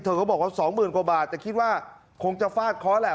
เขาบอกว่าสองหมื่นกว่าบาทแต่คิดว่าคงจะฟาดเคาะแหละ